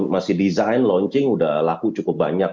masih desain launching udah laku cukup banyak